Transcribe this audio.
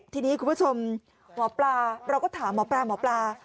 ทีนี้คุณผู้ชมหมอปลาเราก็ถามหมอปลาหมอปลา